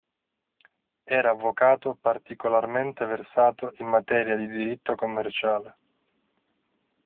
Era avvocato particolarmente versato in materia di diritto commerciale.